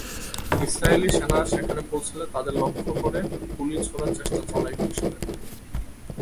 Israeli সেনারা সেখানে পৌঁছালে তাদের লক্ষ্য করে গুলি ছোড়ার চেষ্টা চালায় কিশোরেরা।